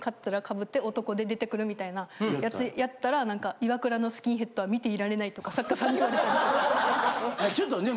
で出てくるみたいなやつやったら「イワクラのスキンヘッドは見ていられない」とか作家さんに言われたりとか。